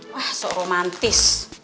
wah sok romantis